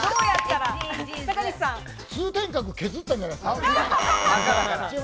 通天閣、削ったんじゃないですか？